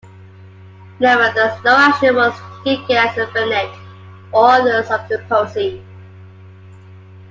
Nevertheless, no action was taken against Bennett or others of the posse.